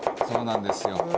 「そうなんですよ」